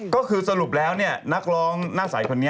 ก็คือสรุปแล้วเนี่ยนักร้องหน้าใส่คนนี้